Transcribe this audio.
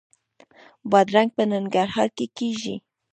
بادرنګ په ننګرهار کې کیږي